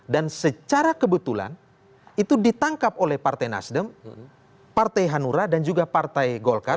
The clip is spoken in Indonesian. dan secara kebetulan itu ditangkap oleh partai nasdem partai hanura dan juga partai golkar